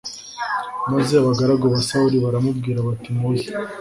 Maze abagaragu ba Sawuli baramubwira bati muze